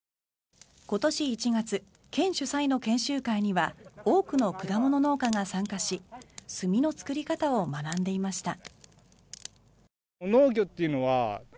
今年１月、県主催の研修会には多くの果物農家が参加し炭の作り方を学んでいました。